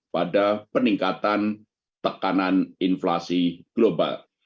pada peningkatan tekanan inflasi global